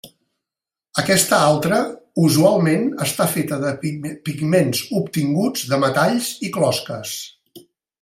Aquesta altra usualment està feta de pigments obtinguts de metalls i closques.